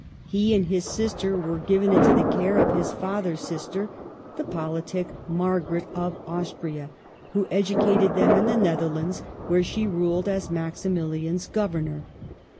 He and his sister were given into the care of his father's sister, the politic Margaret of Austria, who edu cated them in the Netherlands, where she ruled as Maximilian's governor.